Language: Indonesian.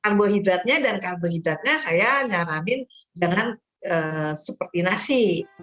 kambahidratnya dan karbohidratnya saya nyaramin dengan seperti nasi